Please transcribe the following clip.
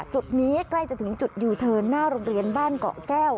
จุดนี้ใกล้จะถึงจุดยูเทิร์นหน้าโรงเรียนบ้านเกาะแก้ว